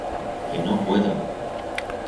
Que no puedo!